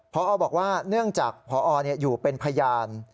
พอบอกว่าเนื่องจากพออยู่เป็นพยาน